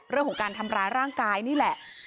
เรื่องของการทำร้ายร่างกายนี่แหละ